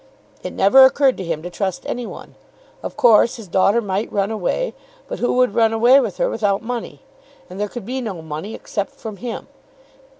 It never occurred to him to trust any one. Of course his daughter might run away. But who would run away with her without money? And there could be no money except from him.